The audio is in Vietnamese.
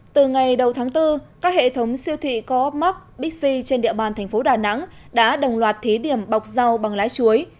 từ ngày đầu tháng bốn các hệ thống siêu thị có mắc bixi trên địa bàn thành phố đà nẵng đã đồng loạt thí điểm bọc rau bằng lá chuối